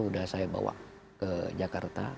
sudah saya bawa ke jakarta